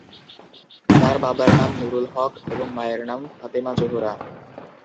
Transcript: তার বাবার নাম নূরুল হক এবং মায়ের নাম ফাতেমা জোহরা।